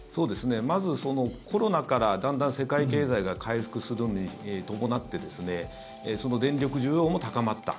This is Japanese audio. まず、コロナからだんだん世界経済が回復するのに伴って電力需要も高まった。